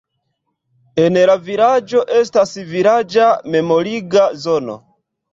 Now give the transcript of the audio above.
En la vilaĝo estas vilaĝa memoriga zono.